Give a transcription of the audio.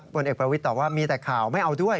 ผลเอกประวิทย์ตอบว่ามีแต่ข่าวไม่เอาด้วย